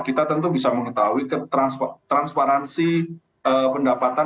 kita tentu bisa mengetahui transparansi pendapatan